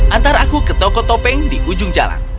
antar aku ke toko topeng di ujung jalan